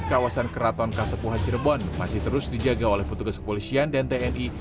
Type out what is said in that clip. kawasan keraton kasepuhan cirebon masih terus dijaga oleh petugas kepolisian dan tni